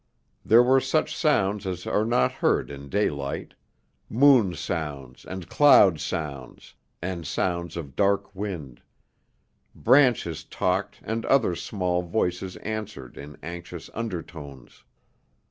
There were such sounds as are not heard in daylight moon sounds and cloud sounds and sounds of dark wind; branches talked and other small voices answered in anxious undertones.